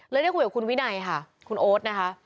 ได้คุยกับคุณวินัยค่ะคุณโอ๊ตนะคะ